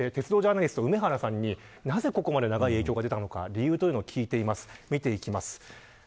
これから鉄道ジャーナリストの梅原さんに、なぜここまで長い影響が出たのかを理由を聞いています。